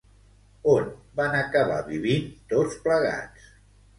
On van acabar vivint tots plegats?